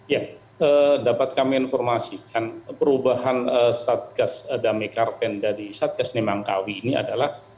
ya dapat kami informasikan perubahan satgas damai karten dari satgas nemangkawi ini adalah